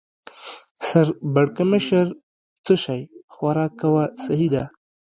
سر پړکمشر: څه شی؟ خوراک کوه، سهي ده.